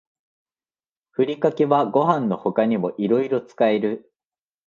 ふりかけはご飯の他にもいろいろ使える